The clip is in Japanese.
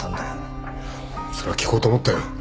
いやそれは聞こうと思ったよ。